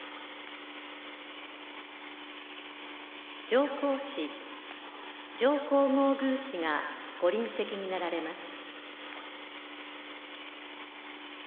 上皇使、上皇后宮使がご臨席になられます。